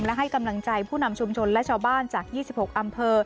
และให้กำลังใจผู้นำชุมชนและชาวบ้านจาก๒๖อำเภอ